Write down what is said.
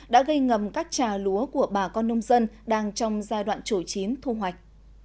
đi ngầm các trà lúa của bà con nông dân đang trong giai đoạn chủ chiến thu hoạch